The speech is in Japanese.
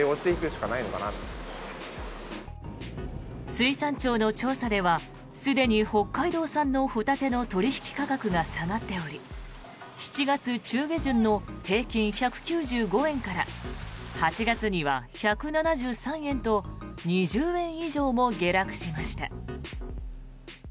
水産庁の調査ではすでに北海道産のホタテの取引価格が下がっており７月中下旬の平均１９５円から８月には１７３円と２０円以上も下落しました。